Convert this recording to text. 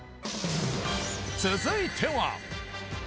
続いては。